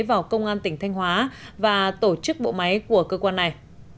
vào công an tỉnh thanh hóa và tổ chức bộ máy của cơ quan này